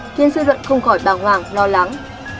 khiến dư luận không khỏi bào hoảng lo lắng